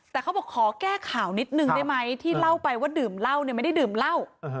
แต่เขาบอกขอแก้ข่าวนิดนึงได้ไหมที่เล่าไปว่าดื่มเหล้าเนี่ยไม่ได้ดื่มเหล้า